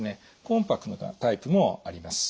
コンパクトなタイプもあります。